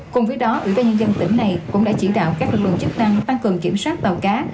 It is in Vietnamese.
cùng với đó ủy ban nhân dân tỉnh này cũng đã chỉ đạo các lực lượng chức năng tăng cường kiểm soát tàu cá